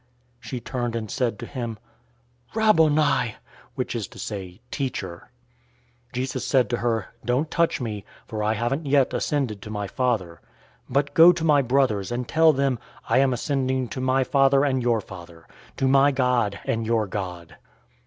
She turned and said to him, "Rhabbouni!" which is to say, "Teacher!" 020:017 Jesus said to her, "Don't touch me, for I haven't yet ascended to my Father; but go to my brothers, and tell them, 'I am ascending to my Father and your Father, to my God and your God.'"